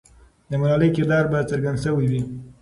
د ملالۍ کردار به څرګند سوی وي.